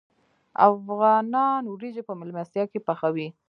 افغانان وریجې په میلمستیا کې پخوي.